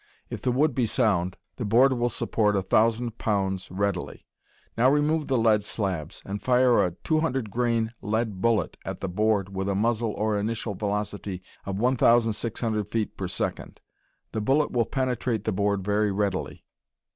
If the wood be sound the board will support a thousand pounds readily. Now remove the lead slabs and fire a 200 grain lead bullet at the board with a muzzle or initial velocity of 1,600 feet per second. The bullet will penetrate the board very readily.